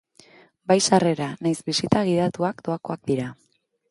Bai sarrera nahiz bisita gidatuak doakoak dira.